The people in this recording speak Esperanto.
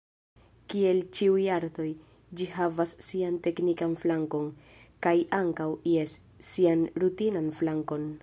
Kiel ĉiuj artoj, ĝi havas sian teknikan flankon, kaj ankaŭ, jes, sian rutinan flankon.